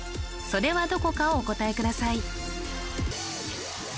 それはどこかをお答えください